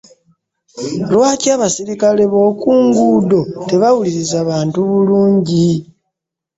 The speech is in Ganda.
Lwaki abasirikale bo ku nguddo tebawuliriza bantu bulungi?